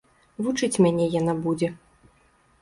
Вучыць мяне яна будзе!